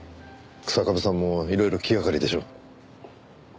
日下部さんもいろいろ気がかりでしょう。